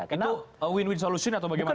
itu win win solution atau bagaimana